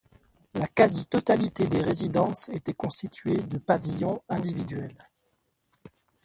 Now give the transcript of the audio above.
La quasi-totalité des résidences est constituée de pavillons individuels.